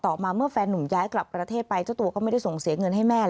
มาเมื่อแฟนหนุ่มย้ายกลับประเทศไปเจ้าตัวก็ไม่ได้ส่งเสียเงินให้แม่เลย